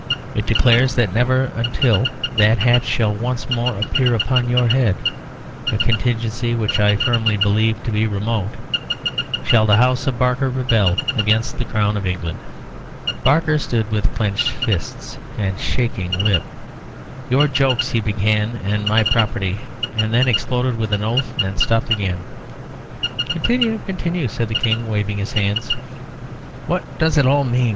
It declares that never until that hat shall once more appear upon your head (a contingency which I firmly believe to be remote) shall the House of Barker rebel against the Crown of England." Barker stood with clenched fist, and shaking lip. "Your jokes," he began, "and my property " and then exploded with an oath, and stopped again. "Continue, continue," said the King, waving his hands. "What does it all mean?"